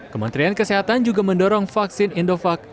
kementerian kesehatan juga mendorong vaksin indovac